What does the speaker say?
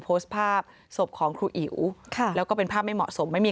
โพสต์ภาพศพของครูอิ๋วค่ะแล้วก็เป็นภาพไม่เหมาะสมไม่มี